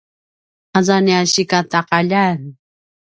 aza nia sikataqaljan